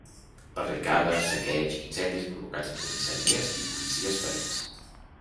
Barricades, saqueigs, incendis provocats en comissaries i policies ferits.